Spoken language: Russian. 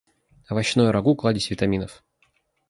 Овощное рагу - кладезь витаминов.